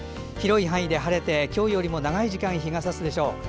広い範囲で晴れて今日よりも長い時間日がさすでしょう。